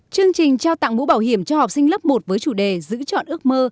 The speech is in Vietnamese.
chương trình trao tặng mũ bảo hiểm cho học sinh lớp một với chủ đề giữ chọn ước mơ